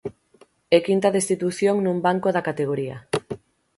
E quinta destitución nun banco da categoría.